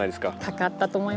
かかったと思いますね。